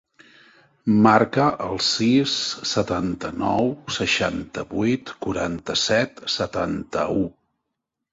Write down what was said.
Marca el sis, setanta-nou, seixanta-vuit, quaranta-set, setanta-u.